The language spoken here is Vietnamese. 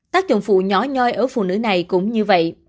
tác dụng phụ nhỏ nhoi ở phụ nữ này cũng như vậy